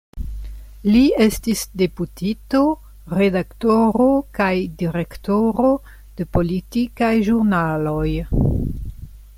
Li estis deputito, redaktoro kaj direktoro de politikaj ĵurnaloj.